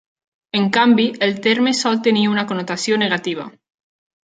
En canvi, el terme sol tenir una connotació negativa.